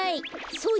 そうだ！